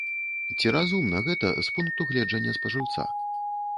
Ці разумна гэта з пункту гледжання спажыўца?